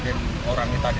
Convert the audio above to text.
ketaraan jadi salah satu